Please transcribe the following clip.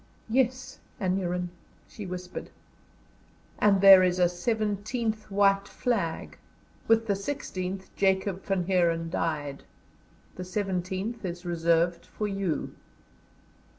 "Yes, Aneurin," she whispered. "And there is a seventeenth white flag. With the sixteenth Jacob Van Heeren died. The seventeenth is reserved for you."